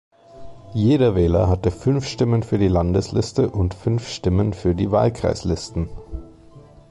Jeder Wähler hatte fünf Stimmen für die Landesliste und fünf Stimmen für die Wahlkreislisten.